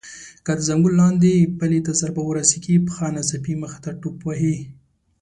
که د زنګون لاندې پلې ته ضربه ورسېږي پښه ناڅاپي مخې ته ټوپ وهي.